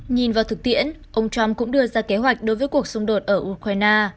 nhìn vào thực tiễn ông trump cũng đưa ra kế hoạch đối với cuộc xung đột ở ukraine